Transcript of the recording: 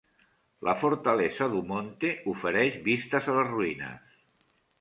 La Fortaleza do Monte ofereix vistes a les ruïnes.